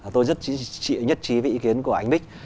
tôi rất chịu nhất trí với ý kiến của anh đích